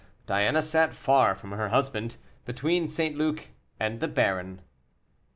Diana sat far from her husband, between St. Luc and the baron.